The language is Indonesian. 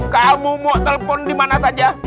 kamu mau telepon dimana saja